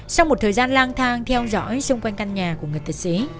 sau một thời gian lang thang theo dõi xung quanh căn nhà của người tài xế